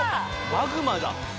マグマだ。